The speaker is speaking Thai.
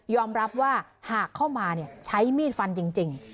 รับว่าหากเข้ามาใช้มีดฟันจริง